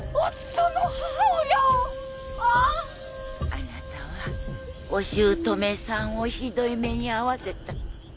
あなたはお姑さんをひどい目にあわせた。